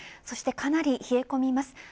そして、かなり冷え込みます。